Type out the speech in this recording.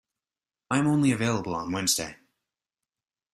I am only available on Wednesday.